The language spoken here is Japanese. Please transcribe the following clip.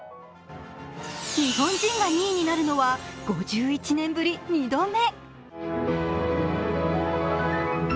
日本人が２位になるのは５１年ぶり２度目。